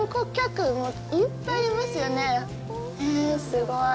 すごい。